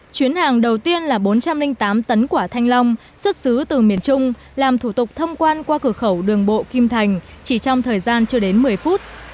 chuyến hàng đầu tiên là bốn trăm linh tám tấn quả thanh long xuất xứ từ miền trung làm thủ tục thông quan qua cửa khẩu đường bộ kim thành chỉ trong thời gian chưa đến một mươi phút